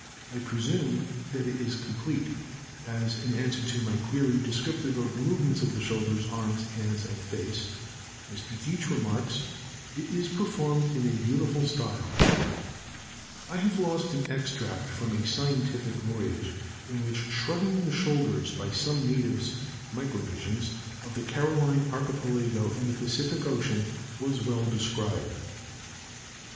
I presume that it is complete, as, in answer to my query descriptive of the movements of the shoulders, arms, hands, and face, Mr. Geach remarks, "it is performed in a beautiful style." I have lost an extract from a scientific voyage, in which shrugging the shoulders by some natives (Micronesians) of the Caroline Archipelago in the Pacific Ocean, was well described.